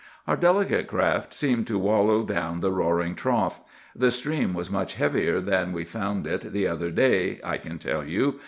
"Our delicate craft seemed to wallow down the roaring trough. The stream was much heavier than we found it the other day, I can tell you.